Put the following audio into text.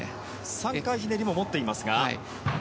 ３回ひねりも持っていますが。